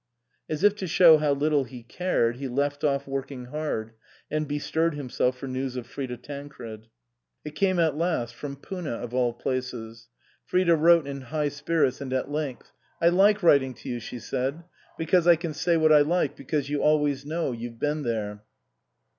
As if to show how little he cared, he left off working hard and bestirred himself for news of Frida Tancred. It came at last from Poona of all places. Frida wrote in high spirits and at length. "I like writing to you," she said, "because I can say what I like, because you always know you've been there.